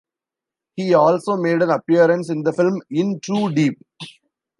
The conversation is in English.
He also made an appearance in the film "In Too Deep".